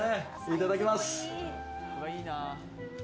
いただきます。